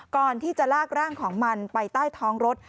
ก่อนที่จะลากร่างของมันไปใต้ท้องรถ